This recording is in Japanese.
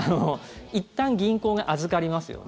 いったん銀行が預かりますよね。